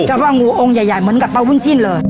เจ้าว่างูองค์ใหญ่เหมือนกับเป้าบุญจิ้นเลย